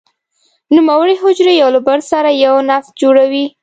نوموړې حجرې یو له بل سره یو نسج جوړوي.